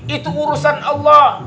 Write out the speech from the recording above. itu urusan allah